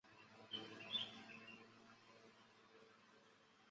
长春西新经济技术开发区的土地属于绿园区。